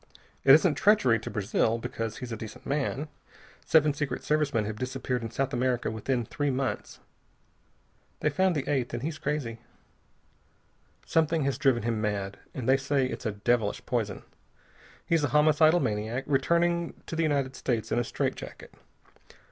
It isn't treachery to Brazil, because he's a decent man. Seven Secret Service men have disappeared in South America within three months. They've found the eighth, and he's crazy. Something has driven him mad, and they say it's a devilish poison. He's a homicidal maniac, returning to the United States in a straight jacket.